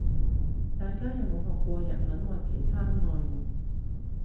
大家有冇學過日文或其他外文